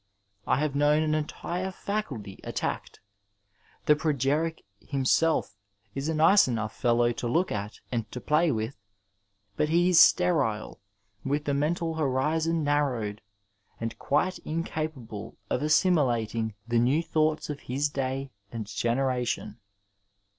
I have known an entire faculty attacked. The progeric himself is a nice enough fellow to look at and to play with, but he is sterile, with the mental hoiiaon narrowed, and quite incapable of assimilating the new thoitghts of his day and generation.